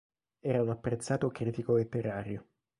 Era un apprezzato critico letterario.